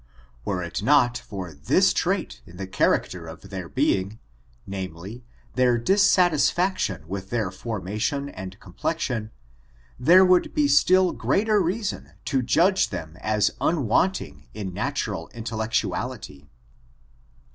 Were it not for this trait in the character of their being, namely, their dissatisfaction with their forma tion and complexion, there would be still greater reason to judge them as wanting in natural Intel* lectuality.